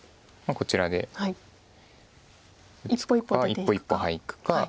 一歩一歩いくか。